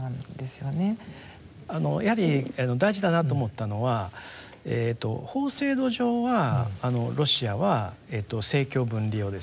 やはり大事だなと思ったのは法制度上はロシアは政教分離をですね謳っていると。